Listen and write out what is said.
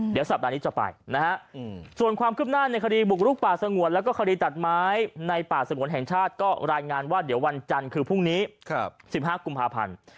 เดี๋ยวสัปดาห์นี้จะไปนะฮะส่วนความคืบหน้าในคดีบุกลุกป่าสงวนแล้วก็คดีตัดไม้ในป่าสงวนแห่งชาติก็รายงานว่าเดี๋ยววันจันทร์คือพรุ่งนี้๑๕กุมภาพันธ์